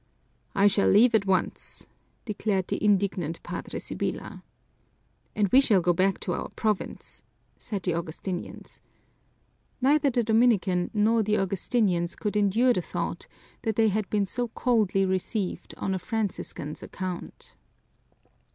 "I shall leave at once," declared the indignant Padre Sibyla. "And we shall go back to our province," said the Augustinians. Neither the Dominican nor the Augustinians could endure the thought that they had been so coldly received on a Franciscan's account.